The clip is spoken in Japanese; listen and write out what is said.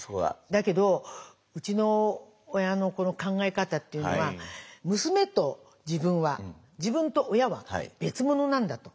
だけどうちの親のこの考え方っていうのは娘と自分は自分と親は別物なんだと。